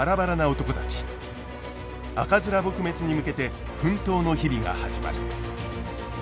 赤面撲滅に向けて奮闘の日々が始まる。